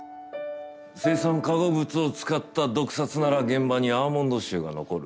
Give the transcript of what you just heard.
青酸化合物を使った毒殺なら現場にアーモンド臭が残る。